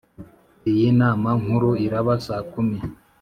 iyi nama nkuru iraba sakumi